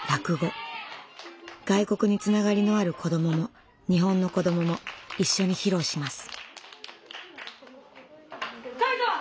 外国につながりのある子どもも日本の子どもも一緒に披露します。